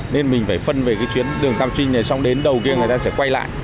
nên mình phải phân về cái chuyến đường giao trinh này xong đến đầu kia người ta sẽ quay lại